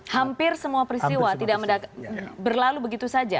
hampir semua peristiwa tidak berlalu begitu saja